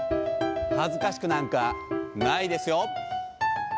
恥ずかしくなんかないですよ。